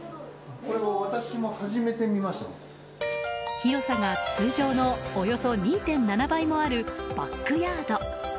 広さが通常のおよそ２．７倍もあるバックヤード。